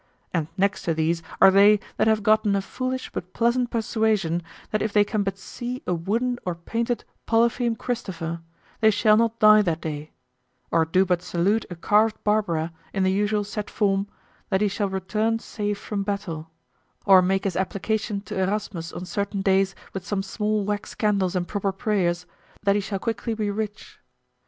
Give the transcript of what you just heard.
And next to these are they that have gotten a foolish but pleasant persuasion that if they can but see a wooden or painted Polypheme Christopher, they shall not die that day; or do but salute a carved Barbara, in the usual set form, that he shall return safe from battle; or make his application to Erasmus on certain days with some small wax candles and proper prayers, that he shall quickly be rich.